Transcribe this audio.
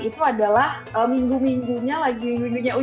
itu adalah minggu minggunya lagi ujian gitu